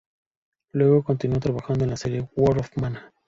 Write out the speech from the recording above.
Luego continuó trabajando en la serie "World of Mana".